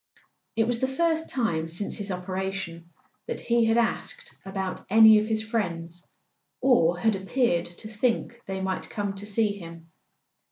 It was the first time since his operation that he had asked about any of his friends, or had appeared to think they might come to see him.